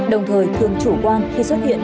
đồng thời thường chủ quan khi xuất hiện